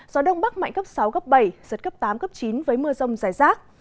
gió đông bắc mạnh cấp sáu cấp bảy giật cấp tám cấp chín với mưa rông rải rác